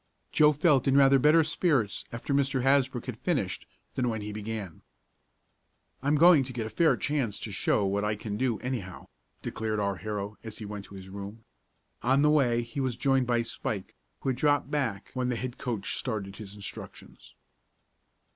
Joe felt in rather better spirits after Mr. Hasbrook had finished than when he began. "I'm going to get a fair chance to show what I can do, anyhow," declared our hero, as he went to his room. On the way he was joined by Spike, who had dropped back when the head coach started his instructions.